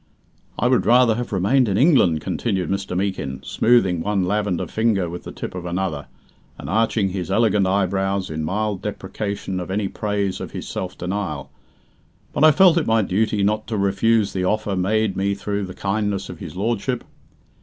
"I would rather have remained in England," continued Mr. Meekin, smoothing one lavender finger with the tip of another, and arching his elegant eyebrows in mild deprecation of any praise of his self denial, "but I felt it my duty not to refuse the offer made me through the kindness of his lordship.